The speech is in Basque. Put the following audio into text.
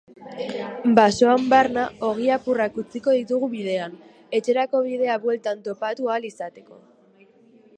Basoan barna ogi apurrak utziko ditugu bidean, etxerako bidea bueltan topatu ahal izateko.